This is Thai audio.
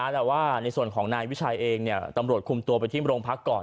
แต่ว่าในส่วนของนายวิชัยเองตำรวจคุมตัวไปที่โรงพักก่อน